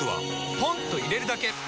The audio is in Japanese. ポンと入れるだけ！